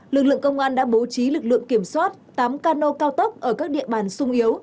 lực lượng công an đã bố trí lực lượng kiểm soát tám cano cao tốc ở các địa bàn sung yếu